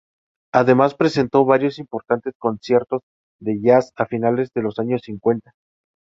Además presentó varios importantes conciertos de jazz a finales de los años cincuenta.